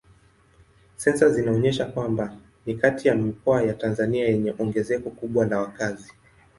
Sensa zinaonyesha kwamba ni kati ya mikoa ya Tanzania yenye ongezeko kubwa la wakazi.